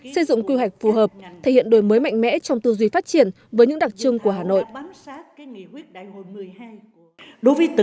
xây dựng quy hoạch phù hợp thể hiện đổi mới mạnh mẽ trong tư duy phát triển với những đặc trưng của hà nội